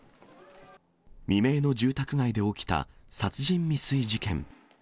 未明の住宅街で起きた殺人未遂事件。